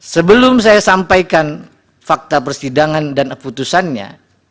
sebelum saya sampaikan fakta persidangan dan putusannya